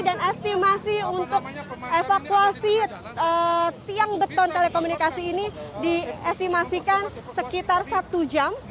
dan estimasi untuk evakuasi tiang beton telekomunikasi ini diestimasikan sekitar satu jam